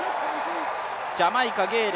ジャマイカ、ゲイル。